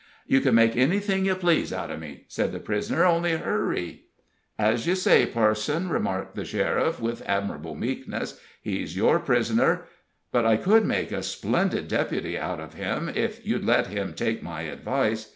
"You can make anything you please out of me," said the prisoner. "Only hurry!" "As you say, parson," remarked the sheriff, with admirable meekness; "he's your prisoner, but I could make a splendid deputy out of him if you'd let him take my advice.